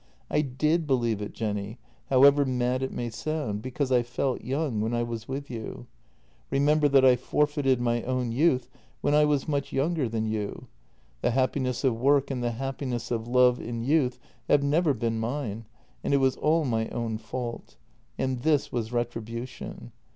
I did believe it, Jenny, however mad it may sound, be cause I felt young when I was with you. Remember that I forfeited my own youth when I was much younger than you; the happiness of work and the happiness of love in youth have never been mine, and it was all my own fault. And this was retribution!